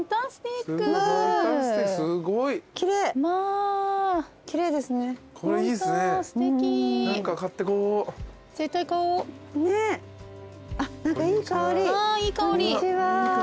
いい香り。